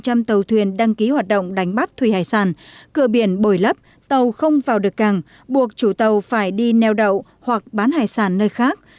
trên ba chín trăm linh tàu thuyền đăng ký hoạt động đánh bắt thủy hải sản cửa biển bồi lấp tàu không vào được càng buộc chủ tàu phải đi neo đậu hoặc bán hải sản nơi khác